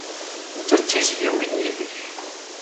Netta d tizzyiwin yid-k.